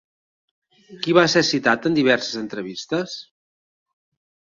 Qui va ser citat en diverses entrevistes?